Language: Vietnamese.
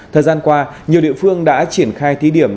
thời gian qua nhiều địa phương đã triển khai thí điểm